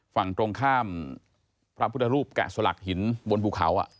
ฝั่งตรงข้ามพระพุทธรูปแกะสลักหินบนภูเขา